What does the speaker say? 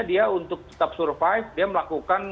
dia untuk tetap survive dia melakukan